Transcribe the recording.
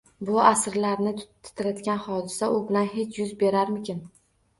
Bu asrlarni titratgan hodisa u bilan hech yuz berarmikin o`zi